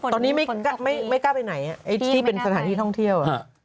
ตอนนี้ไม่กล้าไปไหนไอ้ที่เป็นสถานที่ท่องเที่ยว